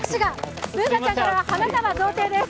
Ｂｏｏｎａちゃんから花束贈呈です。